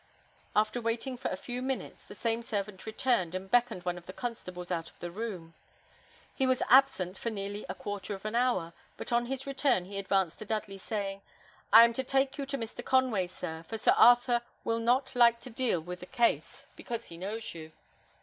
After waiting for a few minutes, the same servant returned, and beckoned one of the constables out of the room. He was absent for nearly a quarter of an hour; but on his return he advanced towards Dudley, saying, "I am to take you to Mr. Conway, sir; for Sir Arthur will not like to deal with the case, because he knows you."